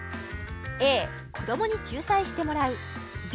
Ａ子どもに仲裁してもらうＢ